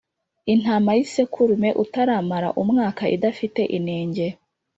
intama y’ isekurume utaramara umwaka idafite inenge